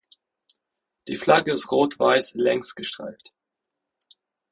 Die Flagge ist rot-weiß längsgestreift.